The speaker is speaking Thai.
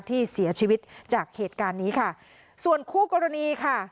ที่เสียชีวิตจากเหตุการณ์นี้ค่ะส่วนคู่กรณีค่ะ